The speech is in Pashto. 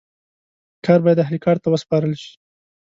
کار باید اهل کار ته وسپارل سي.